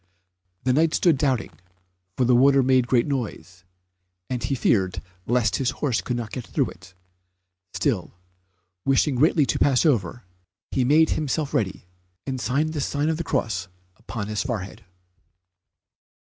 The Knight stood doubting, for the water made a great noise, and he feared lest his horse could not get through it. Still, wishing greatly to pass over, he made himself ready, and signed the sign of the cross upon his forehead.